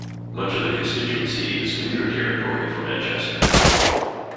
Much of the constituency is commuter territory for Manchester.